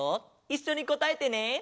いっしょにこたえてね。